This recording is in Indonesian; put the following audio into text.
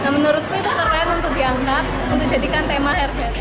menurutku itu keren untuk diangkat untuk jadikan tema hair band